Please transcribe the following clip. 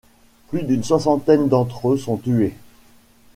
Plus d'une soixantaine d'entre eux sont tués.